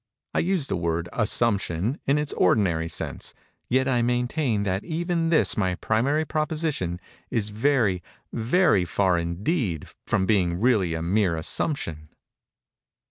I use the word "assumption" in its ordinary sense; yet I maintain that even this my primary proposition, is very, very far indeed, from being really a mere assumption.